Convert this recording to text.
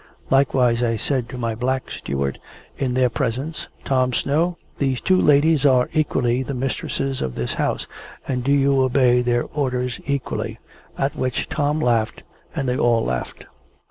Likewise I said to my black steward in their presence, "Tom Snow, these two ladies are equally the mistresses of this house, and do you obey their orders equally;" at which Tom laughed, and they all laughed.